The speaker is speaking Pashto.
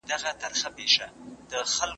سالمه تغذیه ټولنه ثبات او رفاه ته رسوي.